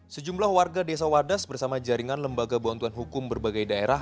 sejumlah warga desa wadas bersama jaringan lembaga bantuan hukum berbagai daerah